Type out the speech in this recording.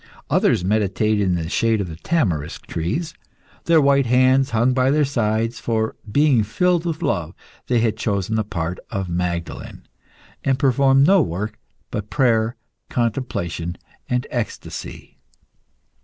Others meditated in the shade of the tamarisk trees; their white hands hung by their sides, for, being filled with love, they had chosen the part of Magdalen, and performed no work but prayer, contemplation, and ecstasy.